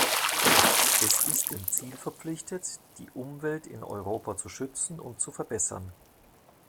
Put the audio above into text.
Es ist dem Ziel verpflichtet, die Umwelt in Europa zu schützen und zu verbessern.